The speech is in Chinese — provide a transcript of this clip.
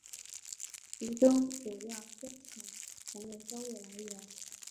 其中主要香港成为收入来源。